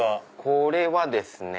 これはですね